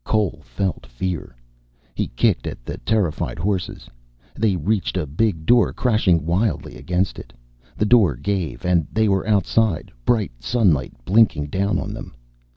Cole felt fear. He kicked at the terrified horses. They reached a big door, crashing wildly against it. The door gave and they were outside, bright sunlight blinking down on them.